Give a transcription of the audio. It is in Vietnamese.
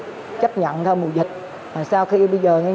thì đành phải chấp nhận thôi mùa dịch mà sau khi bây giờ nhà nước